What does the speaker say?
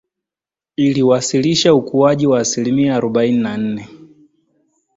IIiwasilisha ukuaji wa asilimia arubaini na nne